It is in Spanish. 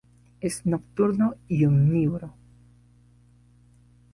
Es nocturno y omnívoro.